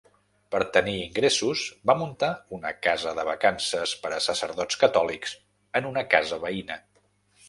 Per tenir ingressos, va muntar una casa de vacances per a sacerdots catòlics en una casa veïna.